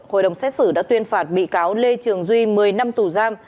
hội đồng xét xử đã tuyên phạt bị cáo lê trường duy một mươi năm tù giam